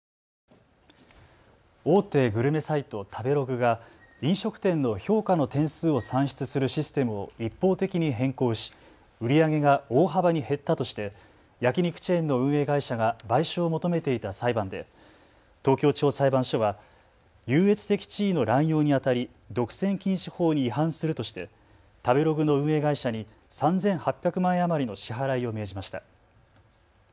大手グルメサイト、食べログが飲食店の評価の点数を算出するシステムを一方的に変更し売り上げが大幅に減ったとして焼き肉チェーンの運営会社が賠償を求めていた裁判で東京地方裁判所は優越的地位の乱用にあたり独占禁止法に違反するとして食べログの運営会社に３８００万円余りの支払いを命じました。